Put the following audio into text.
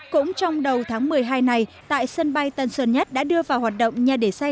cũng trong đầu tháng một mươi hai này tại sân bay tân sơn nhất đã đưa vào hoạt động nhà để xây